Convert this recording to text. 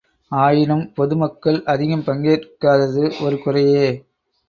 ஆயினும் பொதுமக்கள் அதிகம் பங்கேற்காதது ஒரு குறையே!